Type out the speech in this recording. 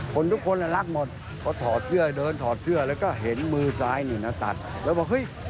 คนทุกคนรักหมดเขาถอดเสื้อเดินถอดเสื้อแล้วก็เห็นมือซ้ายนี่นะตัดแล้วบอกเฮ้ย